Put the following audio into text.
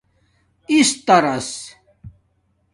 استرس